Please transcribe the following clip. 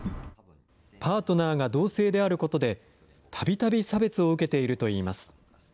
パートナーガ同性であることで、たびたび差別を受けているといいます。